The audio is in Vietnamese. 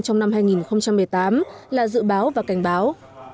trong năm hai nghìn một mươi tám là dự báo và cảnh báo